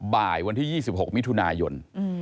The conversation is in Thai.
บ่ายวันที่๒๖มิถุนายน